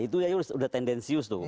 itu ya udah tendensius tuh